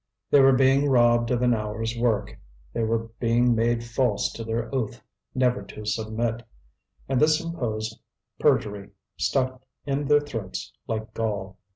They were being robbed of an hour's work, they were being made false to their oath never to submit; and this imposed perjury stuck in their throats like gall.